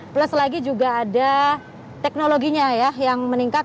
plus lagi juga ada teknologinya ya yang meningkat